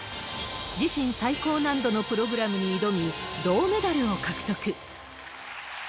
自身最高難度のプログラムに挑み、銅メダルを獲得。